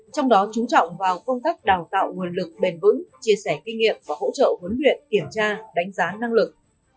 trong đó chú trọng vào công tác đào tạo nguồn lực bền vững chia sẻ kinh nghiệm và hỗ trợ huấn luyện kiểm tra đánh giá năng lực